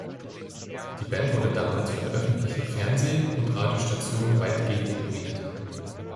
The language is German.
Die Band wurde damals von öffentlichen Fernseh- und Radiostationen weitgehend ignoriert.